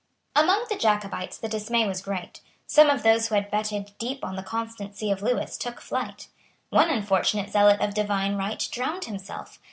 Among the Jacobites the dismay was great. Some of those who had betted deep on the constancy of Lewis took flight. One unfortunate zealot of divine right drowned himself.